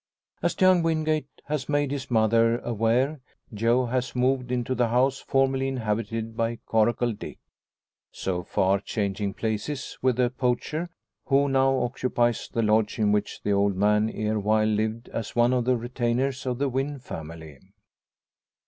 As Jack Wingate has made his mother aware, Joe has moved into the house formerly inhabited by Coracle Dick; so far changing places with the poacher, who now occupies the lodge in which the old man ere while lived as one of the retainers of the Wynn family.